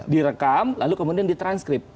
direkam lalu kemudian ditranskrip